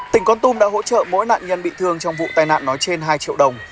tỉnh con tum đã hỗ trợ mỗi nạn nhân bị thương trong vụ tai nạn nói trên hai triệu đồng